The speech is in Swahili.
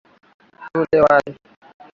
Tule wali.